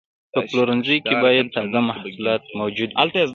په پلورنځي کې باید تازه محصولات موجود وي.